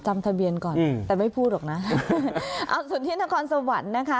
จำทะเบียนก่อนแต่ไม่พูดหรอกนะเอาส่วนที่นครสวรรค์นะคะ